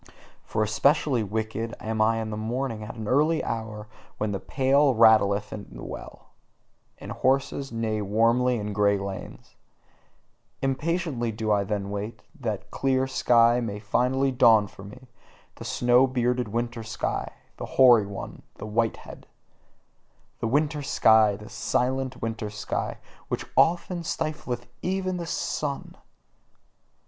For especially wicked am I in the morning: at the early hour when the pail rattleth at the well, and horses neigh warmly in grey lanes: Impatiently do I then wait, that the clear sky may finally dawn for me, the snow bearded winter sky, the hoary one, the white head, The winter sky, the silent winter sky, which often stifleth even its sun!